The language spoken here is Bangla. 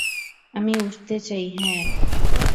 আমি উড়তে চাই, হ্যা!